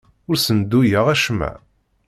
Ur ssenduyeɣ acemma.